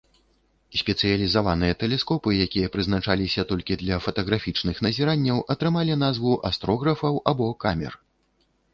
Спецыялізаваныя тэлескопы, якія прызначаліся толькі для фатаграфічных назіранняў, атрымалі назву астрографаў або камер.